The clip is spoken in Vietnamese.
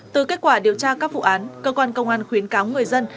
từ kết quả điều tra các vụ án cơ quan công an khuyến cáo người dân